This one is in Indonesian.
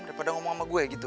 daripada ngomong sama gue gitu